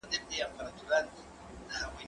هغه څوک چي لاس مينځي روغ وي!؟